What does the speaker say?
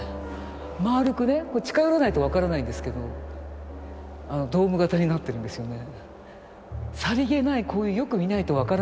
丸くね近寄らないと分からないんですけどドーム形になってるんですよね。